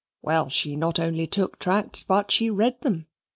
Well, she not only took tracts, but she read them.